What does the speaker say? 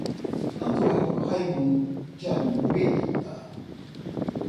Antônio Raimundo de Almeida